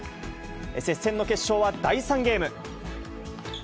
接戦の決勝は第３ゲーム。